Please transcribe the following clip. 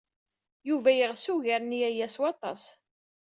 Yuba yeɣs ugar n waya s waṭas.